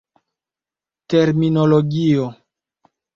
Terminologio.